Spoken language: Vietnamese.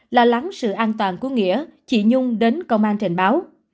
lo lắng sự an toàn của nghĩa chị nhung đến công an trình báo